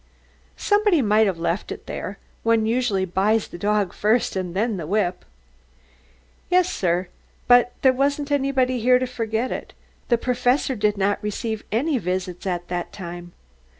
"Somebody might have left it there. One usually buys the dog first and then the whip." "Yes, sir. But there wasn't anybody here to forget it. The Professor did not receive any visits at that time."